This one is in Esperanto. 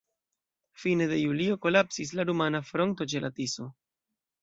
Fine de julio kolapsis la rumana fronto ĉe la Tiso.